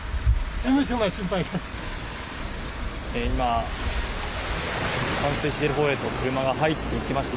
今、冠水しているほうへと車が入っていきました。